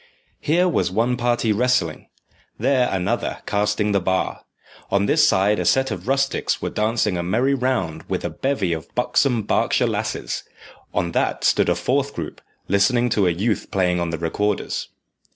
Here was one party wrestling; there another, casting the bar; on this side a set of rustics were dancing a merry round with a bevy of buxom Berkshire lasses; on that stood a fourth group, listening to a youth playing on the recorders.